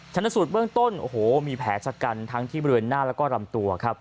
ชั้นสูตรเบื้องต้นมีแผลชกันทั้งที่บริเวณหน้าและลำตัว